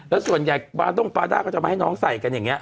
แล้วส่วนใหญ่ปาด้งปาด้าก็จะมาให้น้องใส่กันอย่างนี้